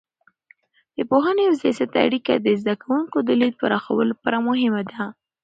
د پوهنې او سیاحت اړیکه د زده کوونکو د لید پراخولو لپاره مهمه ده.